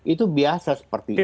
itu biasa seperti ini